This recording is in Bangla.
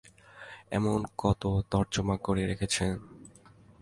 এমন কত তর্জমা করে রেখেছেন?